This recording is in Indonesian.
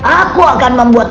aku akan memperbaikinya